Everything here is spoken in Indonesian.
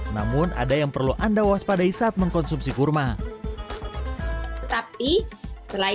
namun ada yang perlu anda waspadai saat mengkonsumsi kurma